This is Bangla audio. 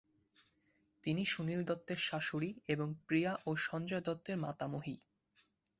তিনি সুনীল দত্তের শাশুড়ি এবং প্রিয়া ও সঞ্জয় দত্তের মাতামহী।